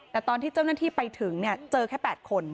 แต่ตอนที่เจ้าหน้าที่ไปถึงเจอแค่๘คน